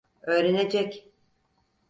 Öğrenecek.